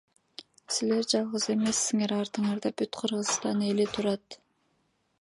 Силер жалгыз эмессиӊер, артыӊарда бүт Кыргызстан эли турат.